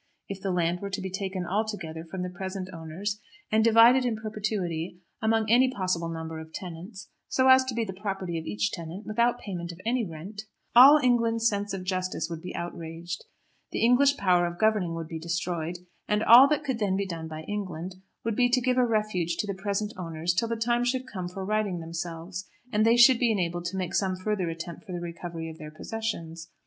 If the land were to be taken altogether from the present owners, and divided in perpetuity among any possible number of tenants, so as to be the property of each tenant, without payment of any rent, all England's sense of justice would be outraged, the English power of governing would be destroyed, and all that could then be done by England would be to give a refuge to the present owners till the time should come for righting themselves, and they should be enabled to make some further attempt for the recovery of their possessions.